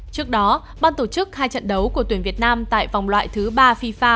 trước đó ban tổ chức hai trận đấu của tuyển việt nam tại vòng loại thứ ba fifa